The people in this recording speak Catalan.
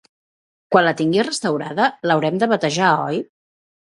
Quan la tinguis restaurada l'haurem de batejar oi?